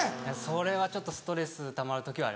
それはちょっとストレスたまる時はあります。